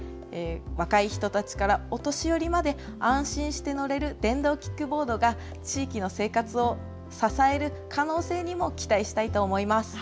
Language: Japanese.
若い人たちからお年寄りまで安心して乗れる電動キックボードが、地域の生活を支える可能性にも期待したいと思います。